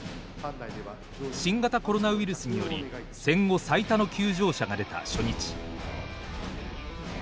新型コロナウイルスにより戦後最多の休場者が出た初日。